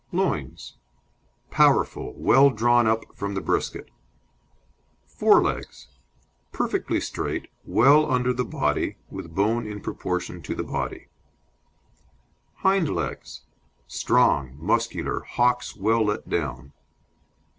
LOINS Powerful, well drawn up from the brisket. FORE LEGS Perfectly straight, well under the body, with bone in proportion to the body. HIND LEGS Strong, muscular, hocks well let down.